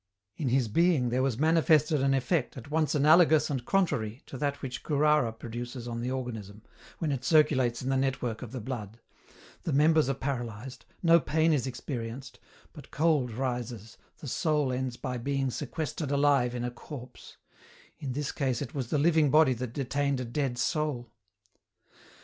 In his being there was manifested an effect at once analogous and contrary to that which curara produces on the organism, when it circulates in the network of the blood ; the members are paralyzed, no pain is experienced, but cold rises, the soul ends by being sequestered alive in a corpse ; in this case it was the living body that detained a dead soul.